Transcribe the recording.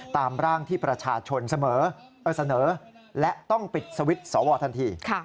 ตามร่างที่ประชาชนเสนอและต้องปิดสวิตช์สวทันที